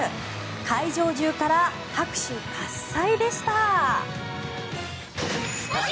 会場中から拍手喝采でした。